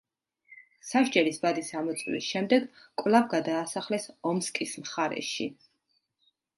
სასჯელის ვადის ამოწურვის შემდეგ კვლავ გადაასახლეს ომსკის მხარეში.